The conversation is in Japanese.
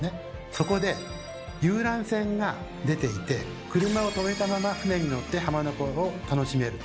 そこで遊覧船が出ていて車をとめたまま船に乗って浜名湖を楽しめると。